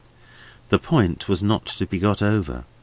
The point was not to be got over.